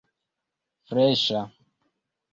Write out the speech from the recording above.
freŝa